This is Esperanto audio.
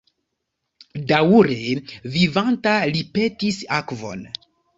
Daŭre vivanta, li petis akvon.